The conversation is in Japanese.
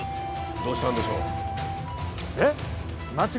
どうしたんでしょう？